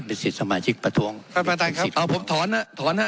เป็นสิทธิ์สมาชิกประทวงประดานครับเอาผมถอนนะถอนนะ